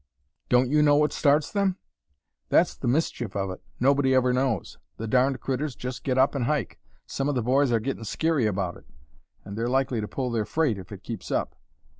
"Don't you know what starts them?" "That's the mischief of it. Nobody ever knows. The darned critters just get up and hike. Some of the boys are gettin' skeery about it, and they're likely to pull their freight if it keeps up.